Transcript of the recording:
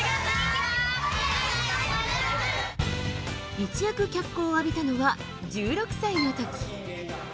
一躍、脚光を浴びたのは１６歳の時。